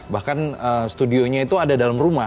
bahkan studionya itu ada dalam rumah